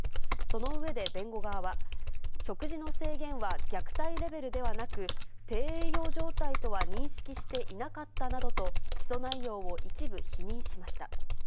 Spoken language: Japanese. その上で、弁護側は、食事の制限は虐待レベルではなく、低栄養状態とは認識していなかったなどと、起訴内容を一部否認しました。